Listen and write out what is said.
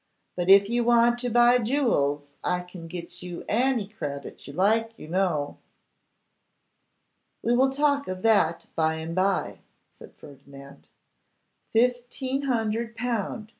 But if you want to buy jewels, I can get you any credit you like, you know.' 'We will talk of that by and by,' said Ferdinand. 'Fifteen hundred pound!